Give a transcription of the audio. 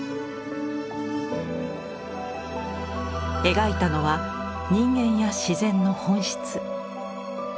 描いたのは人間や自然の本質。